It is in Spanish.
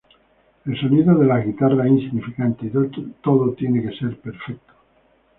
El sonido de las guitarras es insignificante y todo tiene que ser perfecto.